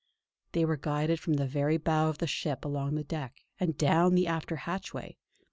They were guided from the very bow of the ship along the deck, and down the after hatchway.